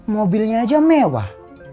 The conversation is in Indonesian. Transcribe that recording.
mobilnya aja mewah